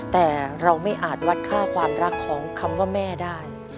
แต่เราไม่อาจวัดค่าความรักของคำว่าแม่ได้